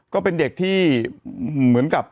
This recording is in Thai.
ก็เป็นเด็กที่เหมือนกับ